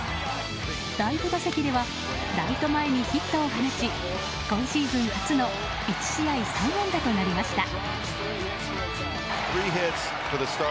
第５打席ではライト前にヒットを放ち今シーズン初の１試合３安打となりました。